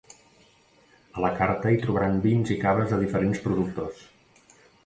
A la carta hi trobaran vins i caves de diferents productors.